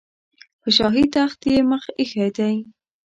په شاهي تخت یې مخ ایښی دی.